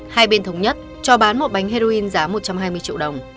hai bên thống nhất cho bán một bánh heroin giá một trăm hai mươi triệu đồng